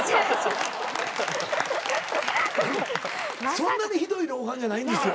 そんなにひどい老眼じゃないんですよ。